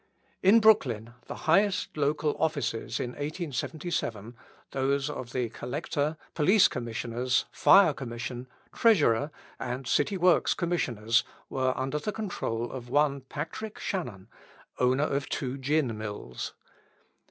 In Brooklyn the highest local offices in 1877, those of the Collector, Police Commissioners, Fire Commission, Treasurer, and the City Works Commissioners, were under the control of one Patrick Shannon, owner of two gin mills.